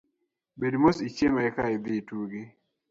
Bed mos ichiem eka idhi itugi.